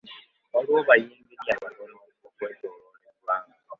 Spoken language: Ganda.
Waliwo ba yinginiya batono okwetooloola eggwanga.